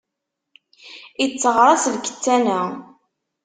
Itteɣraṣ lkettan-a.